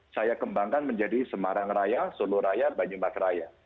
saya kembangkan menjadi semarang raya solo raya banyumas raya